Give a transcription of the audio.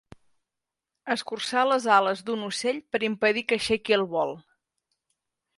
Escurçar les ales d'un ocell per impedir que aixequi el vol.